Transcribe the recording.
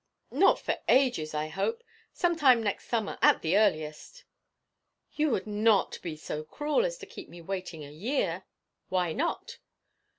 'Not for ages, I hope some time next summer, at the earliest.' 'You would not be so cruel as to keep me waiting a year?' 'Why not?'